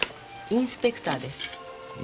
インスペクター？